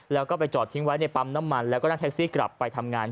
แล้วก็ไปจอดทิ้งไว้ในปั๊มน้ำมันแล้วก็นั่งแท็กซี่กลับไปทำงาน